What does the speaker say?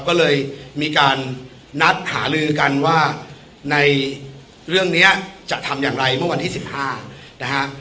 ก็เลยมีการนัดหาลือกันว่าในเรื่องนี้จะทำอย่างไรเมื่อวันที่๑๕นะฮะ